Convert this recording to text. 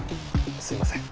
すいません。